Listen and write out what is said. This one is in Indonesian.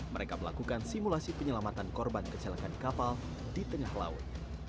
mereka melakukan simulasi penyelamatan korban kecelakaan kapal di tengah laut